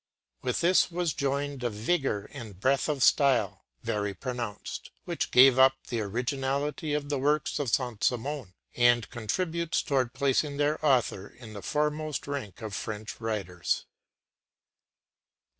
With this was joined a vigour and breadth of style, very pronounced, which makes up the originality of the works of Saint Simon and contributes toward placing their author in the foremost rank of French writers.